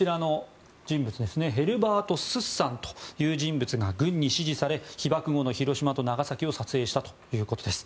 ヘルバート・スッサン氏という人物が軍に指示され、被爆後の広島と長崎を撮影したということです。